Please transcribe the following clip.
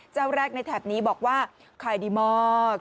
เจ้าแรกในแถบนี้บอกว่าขายดีมาก